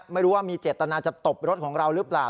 ไม่รู้ว่ามีเจตนาจะตบรถของเราหรือเปล่า